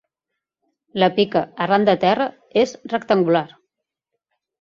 La pica, arran de terra, és rectangular.